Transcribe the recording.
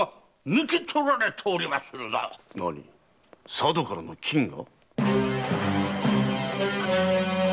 佐渡からの金が？